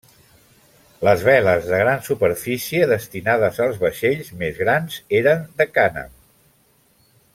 Les veles de gran superfície destinades als vaixells més grans, eren de cànem.